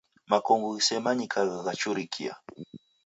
Makongo ghisemanyikagha ghachurikia